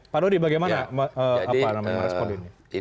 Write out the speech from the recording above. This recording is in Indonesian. pak dodi bagaimana merespon ini